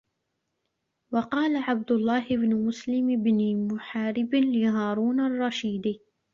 وَقَالَ عَبْدُ اللَّهِ بْنُ مُسْلِمِ بْنِ مُحَارِبٍ لِهَارُونَ الرَّشِيدِ